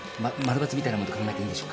「○」「×」みたいなもんと考えていいんでしょうか？